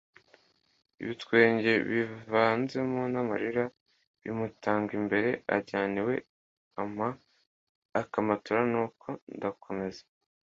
ibitwenge bivanzemo n’amarira bimutanga imbere anjyana iwe ampa akamatora nuko ndakomeza.